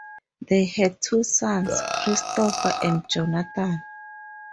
They had two sons, Christopher and Jonathan.